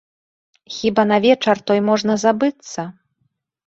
Хіба на вечар той можна забыцца?